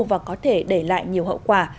và có thể để lại nhiều hậu quả